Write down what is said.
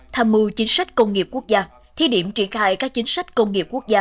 tham mưu chính sách công nghiệp quốc gia thi điểm triển khai các chính sách công nghiệp quốc gia